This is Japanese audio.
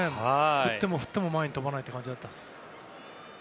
振っても、振っても前に飛ばない感じでした。